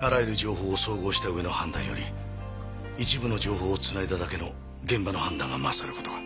あらゆる情報を総合したうえの判断より一部の情報を繋いだだけの現場の判断が勝る事が。